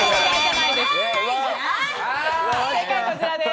正解こちらです。